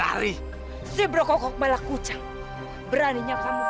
tahu semua apa itu jalan gola tawaran apa yang bayangkan